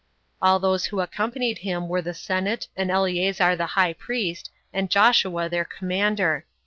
All those who accompanied him were the senate, and Eleazar the high priest, and Joshua their commander.